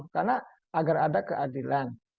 karena agar ada keadilan